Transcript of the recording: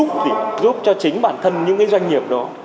thì giúp cho chính bản thân những cái doanh nghiệp đó